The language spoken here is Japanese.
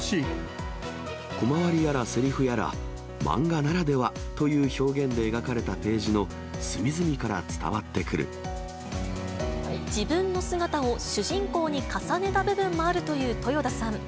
コマ割りやらせりふやら、マンガならではという表現で描かれたページの隅々から伝わってく自分の姿を主人公に重ねた部分もあるというとよ田さん。